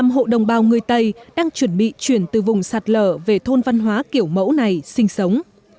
ba mươi năm hộ đồng bào người tây đang chuẩn bị chuyển từ vùng sạt lở về thôn văn hóa kiểu mẫu này sinh sống